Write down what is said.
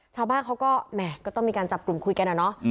ชาวบ้านเขาก็แหม่ก็ต้องมีการจับกลุ่มคุยกันอะเนาะ